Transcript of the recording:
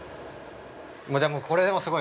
じゃあ、これ、でも、すごい。